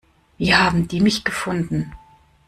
Wie haben die mich gefunden?